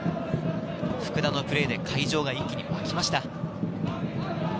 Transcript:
福田のプレーで会場が一気にわきました。